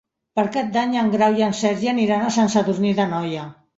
Per Cap d'Any en Grau i en Sergi aniran a Sant Sadurní d'Anoia.